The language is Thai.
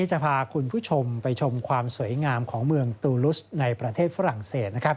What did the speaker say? จะพาคุณผู้ชมไปชมความสวยงามของเมืองตูลุสในประเทศฝรั่งเศสนะครับ